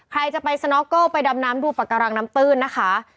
ใครจะไปสน็อกเกิลไปดำน้ำดูปากการังน้ำตื้นนะคะ